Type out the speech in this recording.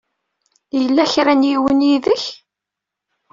Yella kra n yiwen yid-k?